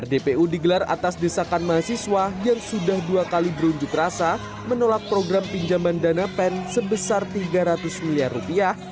rdpu digelar atas desakan mahasiswa yang sudah dua kali berunjuk rasa menolak program pinjaman dana pen sebesar tiga ratus miliar rupiah